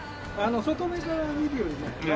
外目から見るよりね